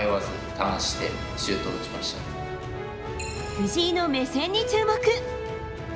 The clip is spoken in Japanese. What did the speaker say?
藤井の目線に注目。